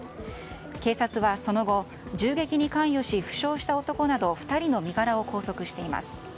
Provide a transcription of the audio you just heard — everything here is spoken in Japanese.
警察はその後、銃撃に関与し負傷した男など２人の身柄を拘束しています。